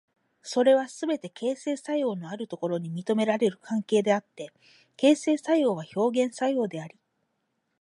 それはすべて形成作用のあるところに認められる関係であって、形成作用は表現作用であり、